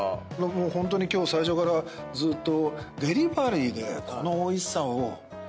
ホントに今日最初からずーっと。